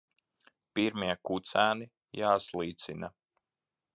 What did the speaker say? Pirmie kucēni jāslīcina.